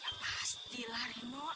ya pastilah rino